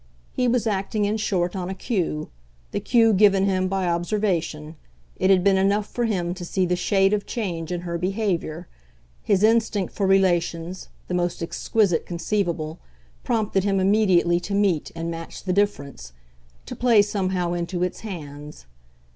He was acting in short on a cue, the cue given him by observation; it had been enough for him to see the shade of change in her behaviour; his instinct for relations, the most exquisite conceivable, prompted him immediately to meet and match the difference, to play somehow into its hands.